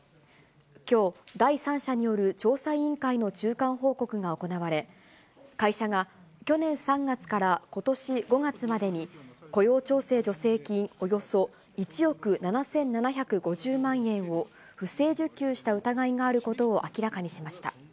きょう、第三者による調査委員会の中間報告が行われ、会社が去年３月からことし５月までに、雇用調整助成金およそ１億７７５０万円を不正受給した疑いがあることを明らかにしました。